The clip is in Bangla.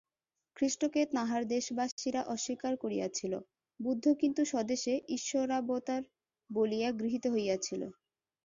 খ্রীষ্টকে তাঁহার দেশবাসীরা অস্বীকার করিয়াছিল, বুদ্ধ কিন্তু স্বদেশে ঈশ্বরাবতার বলিয়া গৃহীত হইয়াছিলেন।